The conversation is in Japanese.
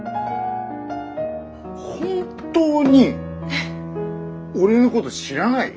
本当に俺のこと知らない？